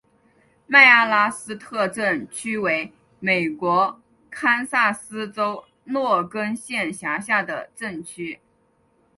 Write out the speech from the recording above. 麦阿拉斯特镇区为美国堪萨斯州洛根县辖下的镇区。